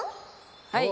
はい。